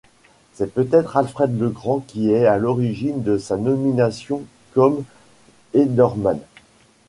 C'est peut-être Alfred le Grand qui est à l'origine de sa nomination comme ealdorman.